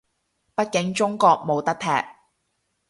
畢竟中國冇得踢